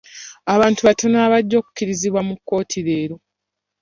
Abantu batono abajja okukirizibwa mu kkooti leero.